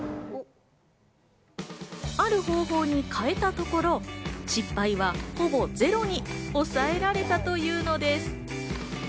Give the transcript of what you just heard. ある方法に変えたところ失敗はほぼゼロに抑えられたというのです。